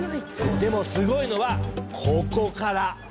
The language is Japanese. でもすごいのはここから！